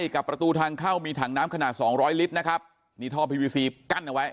กับประตูทางเข้ามีถังน้ำขนาดสองร้อยลิตรนะครับนี่ท่อพีวีซีกั้นเอาไว้